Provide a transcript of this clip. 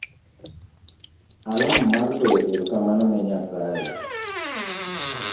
Alam mar goyo erokamano ne nyasaye.